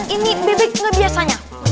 ini bebek nggak biasanya